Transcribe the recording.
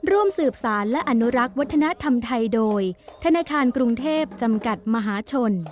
ร่วมสืบสารและอนุรักษ์วัฒนธรรมไทยโดยธนาคารกรุงเทพจำกัดมหาชน